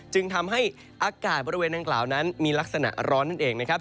จึงทำให้อากาศบริเวณดังกล่าวนั้นมีลักษณะร้อนนั่นเองนะครับ